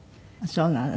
そうなの。